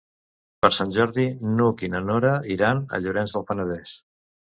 Per Sant Jordi n'Hug i na Nora iran a Llorenç del Penedès.